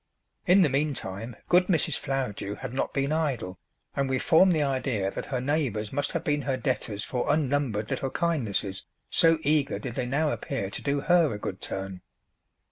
In the meantime good Mrs. Flowerdew had not been idle, and we formed the idea that her neighbours must have been her debtors for unnumbered little kindnesses, so eager did they now appear to do her a good turn.